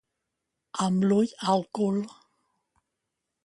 Amb l'ull al cul.